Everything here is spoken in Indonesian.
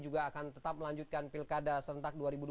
juga akan tetap melanjutkan pilkada serentak dua ribu dua puluh